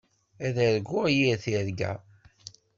Ad argun yir tirga.